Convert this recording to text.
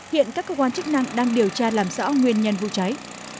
hiện các cơ quan chức năng đang điều tra làm rõ nguyên nhân vụ cháy